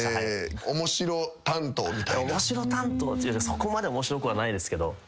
そこまで面白くはないですけど。